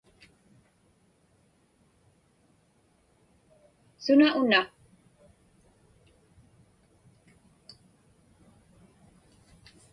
Suna una?